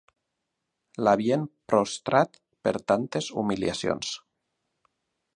L'havien prostrat per tantes humiliacions.